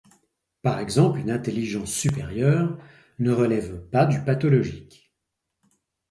Par exemple une intelligence supérieure ne relève pas du pathologique.